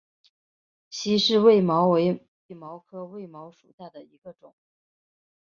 稀序卫矛为卫矛科卫矛属下的一个种。